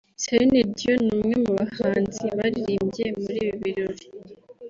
Celine Dion ni umwe mu bahanzi baririmbye muri ibi birori